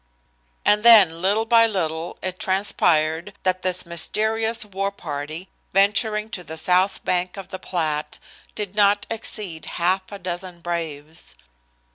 And then, little by little, it transpired that this mysterious war party, venturing to the south bank of the Platte, did not exceed half a dozen braves.